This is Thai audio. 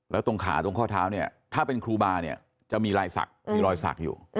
แล้วตรงขาตรงข้อเท้าเนี่ยถ้าเป็นครูบาเนี่ยจะมีรอยสักมีรอยสักอยู่